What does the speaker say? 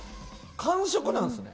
完食なんですね。